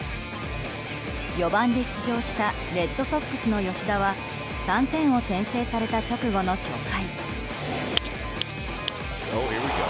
４番で出場したレッドソックスの吉田は３点を先制された直後の初回。